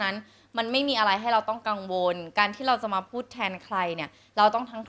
ในโปรดักต์ที่เราพูดถึงอยู่